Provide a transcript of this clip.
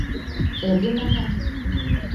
— Эрге манат?